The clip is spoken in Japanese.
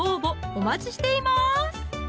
お待ちしています